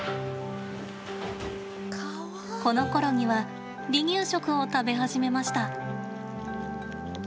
このころには離乳食を食べ始めました。